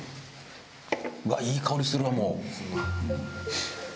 うわっいい香りするわもう。